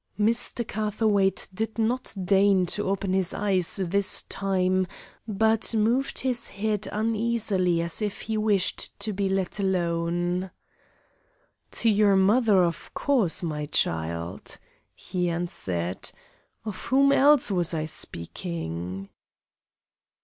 Mr. Catherwaight did not deign to open his eyes this time, but moved his head uneasily as if he wished to be let alone. "To your mother, of course, my child," he answered; "of whom else was I speaking?"